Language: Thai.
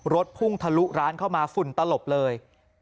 รถพุ่งทะลุร้านเข้ามาฝุ่นตลบเลย